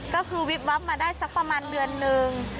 ก็คือวิบวับมาได้สักประมาณเดือนนึง